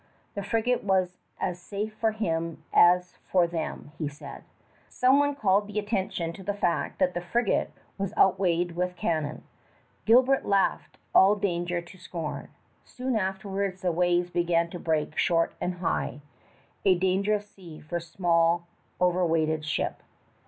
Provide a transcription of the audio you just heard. The frigate was as safe for him as for them, he said. Some one called his attention to the fact that the frigate was overweighted with cannon. Gilbert laughed all danger to scorn. Soon afterwards the waves began to break short and high a dangerous sea for a small, overweighted ship.